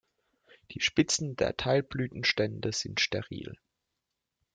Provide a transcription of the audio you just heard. Die Spitzen der Teilblütenstände sind steril.